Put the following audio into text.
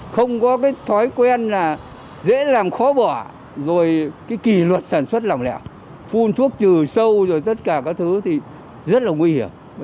không có cái thói quen là dễ làm khó bỏ rồi cái kỳ luật sản xuất lỏng lẻo phun thuốc trừ sâu rồi tất cả các thứ thì rất là nguy hiểm